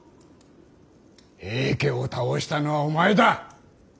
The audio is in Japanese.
平家を倒したのはお前だ。